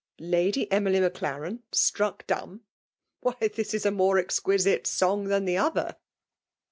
'' Lady Emily Maclaren struck dumb ? Why this is a more exquisite song than the other."